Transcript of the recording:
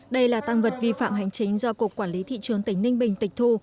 đây là tăng vật vi phạm hành chính do cục quản lý thị trường tỉnh ninh bình tịch thu